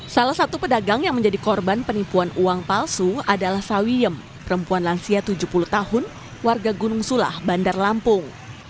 salah satu pedagang yang menjadi korban penipuan uang palsu adalah sawiem perempuan lansia tujuh puluh tahun warga gunung sulah bandar lampung